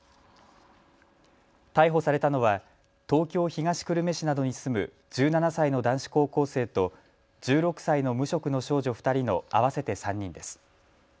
逮捕されたのは東京東久留米市などに住む１７歳の男子高校生と１６歳の無職の少女２人の合わせて３人です。